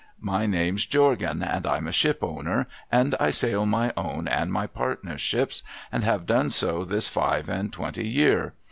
My name's Jorgan, and Pm a ship ov. ner, and I sail my own and my partners' ships, and have done so this five and twenty year.